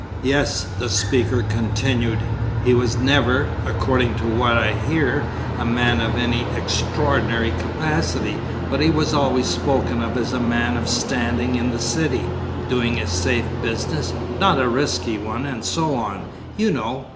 "Yes," the speaker continued; "he was never, according to what I hear, a man of any extraordinary capacity, but he was always spoken of as a man of standing in the City, doing a safe business, not a risky one, and so on, you know.